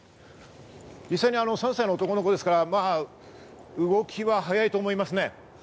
実際、３歳の男の子ですから、動きが早いと思いますね。